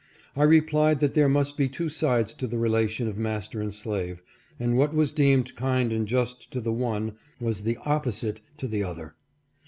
I replied that there must be two sides to the relation of master and slave, and what was deemed kind and just to the one was the opposite to the other.